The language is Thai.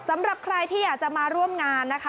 สำหรับใครที่อยากจะมาร่วมงานนะคะ